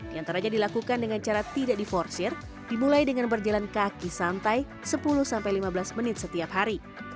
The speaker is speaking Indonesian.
diantaranya dilakukan dengan cara tidak diforsir dimulai dengan berjalan kaki santai sepuluh sampai lima belas menit setiap hari